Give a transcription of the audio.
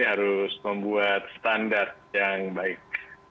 harus membuat standar yang baik